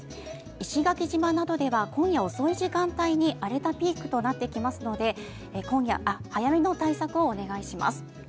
石垣島などでは今夜遅い時間帯に荒れたピークとなってきますので早めの対策をお願いします。